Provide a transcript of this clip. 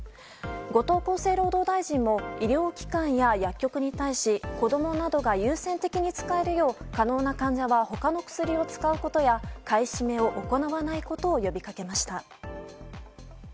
後藤厚生労働大臣も医療機関や薬局に対し子供などが優先的に使えるよう可能な患者は他の薬を使うことや買い占めを行わないことを呼びかけました。